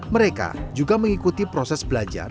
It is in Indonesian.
mereka juga mengikuti proses belajar